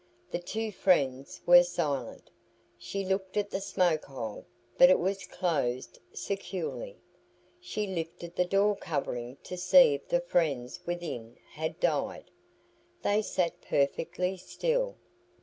The two friends were silent. She looked at the smoke hole, but it was closed securely. She lifted the door covering to see if the friends within had died. They sat perfectly still.